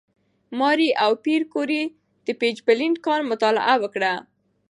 ماري او پېیر کوري د «پیچبلېند» کان مطالعه وکړه.